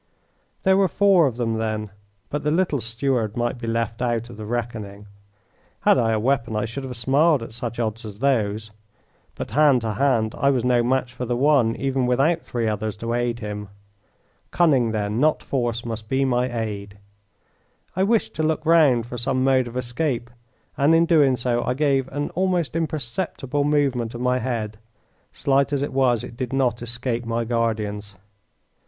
There were four of them, then, but the little steward might be left out of the reckoning. Had I a weapon I should have smiled at such odds as those. But, hand to hand, I was no match for the one even without three others to aid him. Cunning, then, not force, must be my aid. I wished to look round for some mode of escape, and in doing so I gave an almost imperceptible movement of my head. Slight as it was it did not escape my guardians.